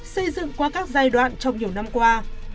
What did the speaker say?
xây dựng qua các giai đoạn trong nhiều năm qua